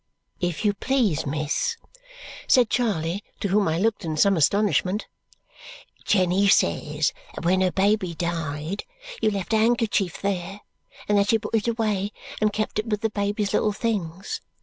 "If you please, miss," said Charley, to whom I looked in some astonishment, "Jenny says that when her baby died, you left a handkerchief there, and that she put it away and kept it with the baby's little things.